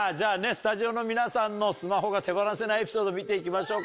スタジオの皆さんのスマホが手放せないエピソード見ていきましょうか。